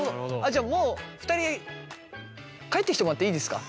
じゃあもう２人帰ってきてもらっていいですか？